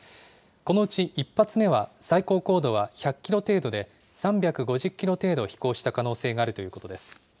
このうち１発目は最高高度は１００キロ程度で、３５０キロ程度飛行した可能性があるということです。